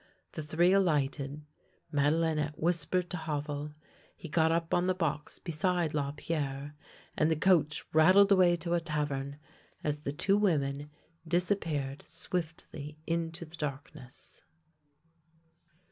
The three alighted. Madelinette whispered to Havel, he got up on the box beside Lapierre, and the coach rattled away to a tavern, as the two women dis appeared swiftly into the darkness.